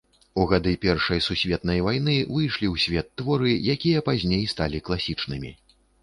У гады першай сусветнай вайны выйшлі ў свет творы, якія пазней сталі класічнымі.